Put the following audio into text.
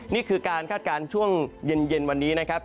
นี่คือการคาดการณ์ช่วงเย็นวันนี้นะครับ